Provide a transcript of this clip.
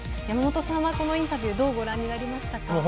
山本さんはこのインタビューどうご覧になりましたか？